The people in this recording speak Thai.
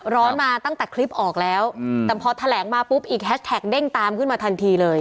ร้อนมาตั้งแต่คลิปออกแล้วแต่พอแถลงมาปุ๊บอีกแฮชแท็กเด้งตามขึ้นมาทันทีเลย